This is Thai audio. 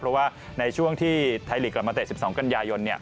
เพราะว่าในช่วงที่ไทยลีกกลับมาเตะ๑๒กันยายน